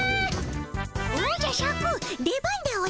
おじゃシャク出番でおじゃる。